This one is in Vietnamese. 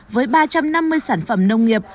với ba trăm năm mươi sản phẩm nông nghiệp